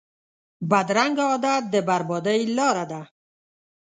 بدرنګه عادت د بربادۍ لاره ده